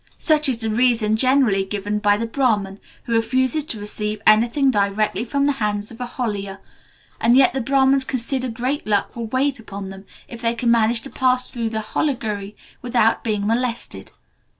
Such is the reason generally given by the Brahman, who refuses to receive anything directly from the hands of a Holiar, and yet the Brahmans consider great luck will wait upon them if they can manage to pass through the Holigiri without being molested.